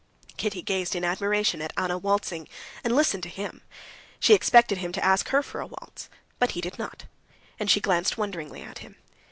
Kitty gazed in admiration at Anna waltzing, and listened to him. She expected him to ask her for a waltz, but he did not, and she glanced wonderingly at him.